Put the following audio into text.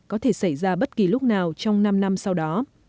có thể xảy ra bất kỳ lúc nào trong năm năm sau đó